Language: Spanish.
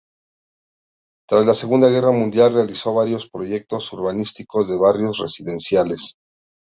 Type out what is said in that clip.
Tras la Segunda Guerra Mundial realizó varios proyectos urbanísticos de barrios residenciales.